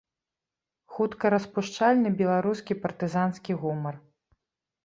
Хуткараспушчальны беларускі партызанскі гумар.